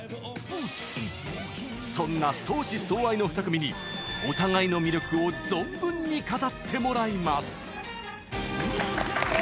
そんな相思相愛の２組にお互いの魅力を存分に語ってもらいます！